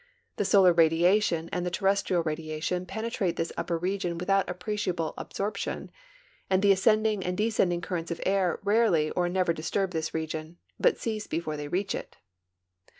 The solar radiation and the terrestrial radiation penetrate this upper region without appreciable ab sorption, and the ascending and descending currents of air rarel}"" or never disturb this region, but cease before they reach it.